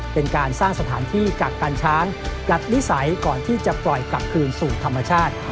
เป็นการสร้างสถานที่กักกันช้างกลับนิสัยก่อนที่จะปล่อยกลับคืนสู่ธรรมชาติ